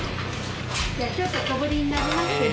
じゃあちょっと小ぶりになりますけど。